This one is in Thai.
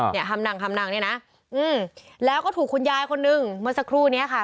เนี่ยห้ามนั่งเนี่ยนะแล้วก็ถูกคุณยายคนนึงเมื่อสักครู่เนี่ยค่ะ